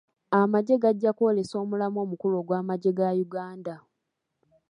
Amagye gajja kwolesa omulamwa omukulu ogw'amagye ga Uganda.